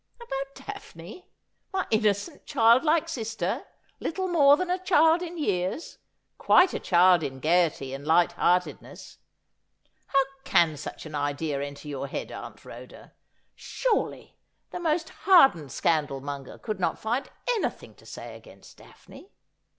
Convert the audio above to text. ' About Daphne, my innocent child like sister, little more than a child in years, quite a child in gaiety and light hearted ness ! How can such an idea enter your head. Aunt Rhoda ? Surely the most hardened scandalmonger could not find any thing to say against Daphne.'